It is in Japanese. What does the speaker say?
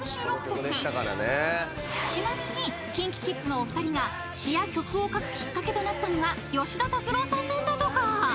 ［ちなみにＫｉｎＫｉＫｉｄｓのお二人が詞や曲を書くきっかけとなったのが吉田拓郎さんなんだとか］